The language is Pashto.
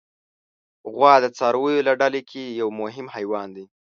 غوا د څارویو له ډله کې یو مهم حیوان دی.